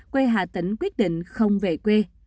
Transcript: quê hà tĩnh quyết định không về quê